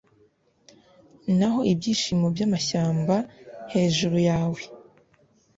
Naho ibyishimo byamashyamba hejuru yawe